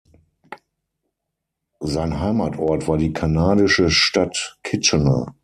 Sein Heimatort war die kanadische Stadt Kitchener.